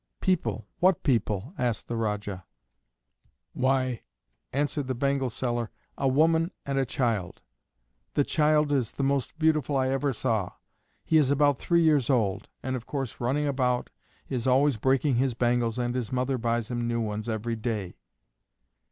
"People! What people?" asked the Rajah. "Why," answered the bangle seller, "a woman and a child; the child is the most beautiful I ever saw. He is about three years old, and of course, running about, is always breaking his bangles and his mother buys him new ones every day."